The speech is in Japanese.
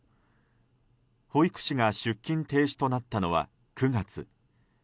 保育士が出勤停止となったのは９月。